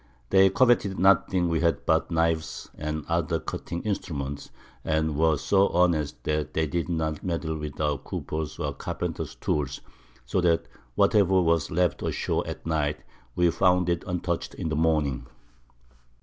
They coveted nothing we had but Knives, and other cutting Instruments, and were so honest, that they did not meddle with our Coopers or Carpenters Tools, so that whatever was left ashore at Night, we found it untouch'd in the Morning.